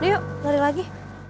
yuk lari lagi